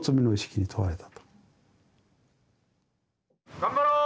頑張ろう！